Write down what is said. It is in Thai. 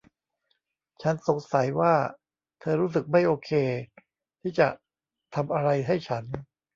ฉันสงสัยว่าเธอรู้สึกไม่โอเคที่จะทำอะไรให้ฉัน